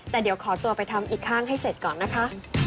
แต่เดี๋ยวขอตัวไปทำอีกข้างให้เสร็จก่อนนะคะ